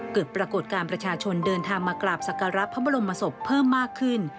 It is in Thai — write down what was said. เกิดปรากฏการณ์ประชาชนเดินทางมากราบสักการะพระบรมศพเพิ่มมากขึ้น